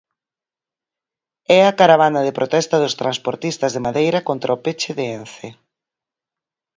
É a caravana de protesta dos transportistas da madeira contra o peche de Ence.